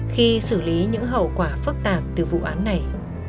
khi xử lý những hậu quả phức tạp từ vụ án này